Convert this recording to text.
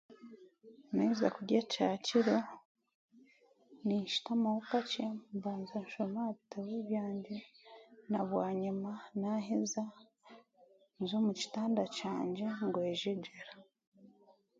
Naaheeza kurya kyakiro ninsutamaho kakye mbanza nshoma aha bitabo byangye, naabwanyima naaheeza nz'omu kitande ngwejegyera